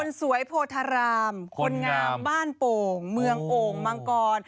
สวยโพธารามคนงามบ้านโป่งเมืองโอ่งมังกร